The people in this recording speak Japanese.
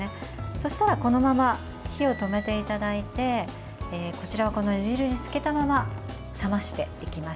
そしたら、このまま火を止めていただいてこちらをこの煮汁につけたまま冷ましていきます。